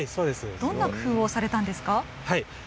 どんな工夫をされたんですか。